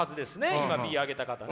今Ｂあげた方ね。